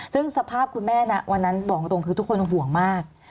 ซึ่งสภาพคุณแม่นะวันนั้นบอกตรงคือทุกคนห่วงมาก